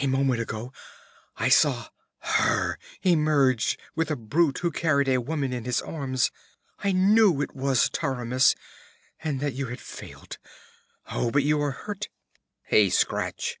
A moment ago I saw her emerge with a brute who carried a woman in his arms. I knew it was Taramis, and that you had failed! Oh, you are hurt!' 'A scratch!'